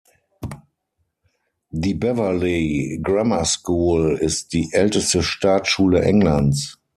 Die "Beverley Grammar School" ist die älteste Staatsschule Englands.